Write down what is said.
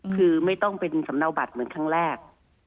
คือไม่ต้องเป็นสำเนาบัตรเหมือนครั้งแรก